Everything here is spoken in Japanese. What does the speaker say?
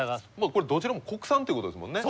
これどちらも国産ってことですもんね。